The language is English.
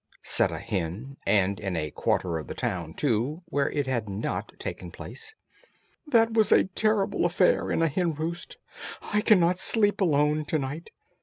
said a hen, and in a quarter of the town, too, where it had not taken place. "That was a terrible affair in a hen roost. I cannot sleep alone to night.